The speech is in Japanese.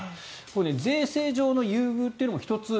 税制上の優遇というのも１つ。